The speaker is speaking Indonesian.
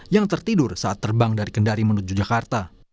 yang tertidur saat terbang dari kendari menuju jakarta